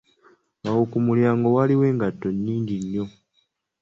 Awo kumulyango waliwo engatto nyinji nnyo.